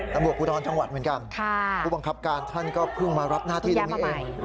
ตำรวจภูทรจังหวัดเหมือนกันผู้บังคับการท่านก็เพิ่งมารับหน้าที่ตรงนี้เอง